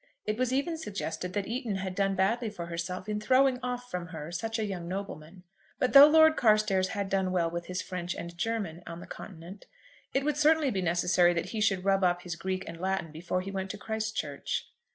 It was even suggested that Eton had done badly for herself in throwing off from her such a young nobleman. But though Lord Carstairs had done well with his French and German on the Continent, it would certainly be necessary that he should rub up his Greek and Latin before he went to Christ Church.